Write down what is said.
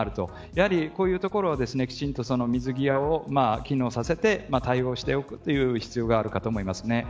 やはりこういうところはきちんと水際を機能させて対応する必要があるかと思います。